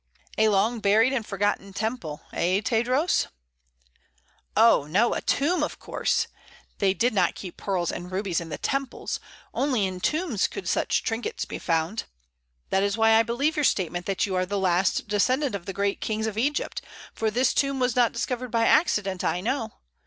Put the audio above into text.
"A long buried and forgotten temple; eh, Tadros?" "Oh, no; a tomb, of course! They did not keep pearls and rubies in the temples. Only in tombs could such trinkets be found. That is why I believe your statement that you are the last descendant of the great kings of Egypt; for this tomb was not discovered by accident, I know.